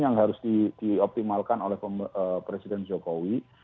yang harus dioptimalkan oleh presiden jokowi